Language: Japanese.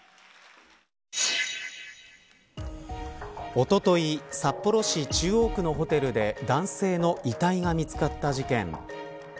おととい札幌市中央区のホテルで男性の遺体が見つかった事件。